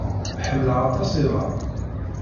Ḥemmleɣ aṭas iḍan.